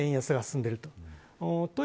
円安が進んでいると。